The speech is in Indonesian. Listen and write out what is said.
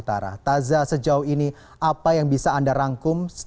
tajah sejauh ini apa yang bisa anda rangkapkan